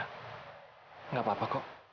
tidak apa apa kok